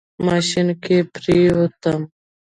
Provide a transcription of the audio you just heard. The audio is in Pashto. ماشين کې پرېوتم.